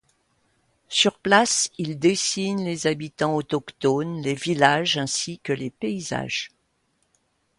Sur place, il dessine les habitants autochtones, les villages ainsi que les paysages.